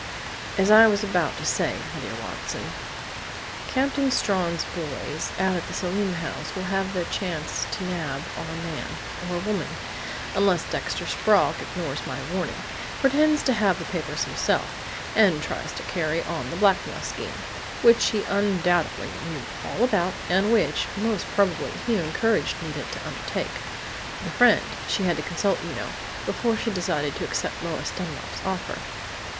"As I was about to say, 'my dear Watson', Captain Strawn's boys out at the Selim house will have their chance to nab our man or woman unless Dexter Sprague ignores my warning, pretends to have the papers himself, and tries to carry on the blackmail scheme, which he undoubtedly knew all about and which, most probably, he encouraged Nita to undertake the 'friend' she had to consult, you know, before she decided to accept Lois Dunlap's offer."